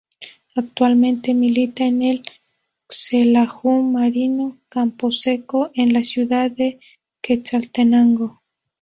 Actualmente milita en el Xelajú Mario Camposeco en la ciudad de Quetzaltenango.